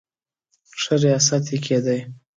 ښه ریاست یې کېدی.